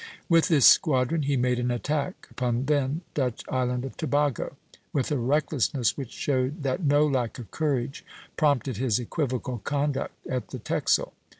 With this squadron he made an attack upon the then Dutch island of Tobago, with a recklessness which showed that no lack of courage prompted his equivocal conduct at the Texel.